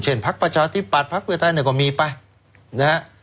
พักประชาธิปัตย์พักเพื่อไทยเนี่ยก็มีไปนะฮะ